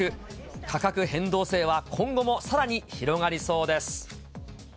価格変動制は今後もさらに広がりそうです。